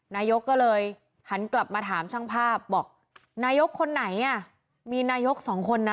นายกก็เลยหันกลับมาถามช่างภาพบอกนายกคนไหนอ่ะมีนายกสองคนนะ